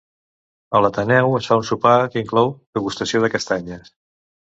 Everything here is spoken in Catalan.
A l'Ateneu es fa un sopar que inclou degustació de castanyes.